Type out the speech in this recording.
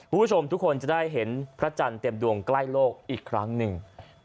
คุณผู้ชมทุกคนจะได้เห็นพระจันทร์เต็มดวงใกล้โลกอีกครั้งหนึ่ง